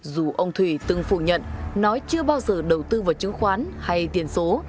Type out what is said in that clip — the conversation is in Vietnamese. dù ông thủy từng phủ nhận nói chưa bao giờ đầu tư vào chứng khoán hay tiền số